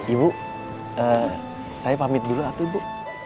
ibu saya pamit dulu atau bu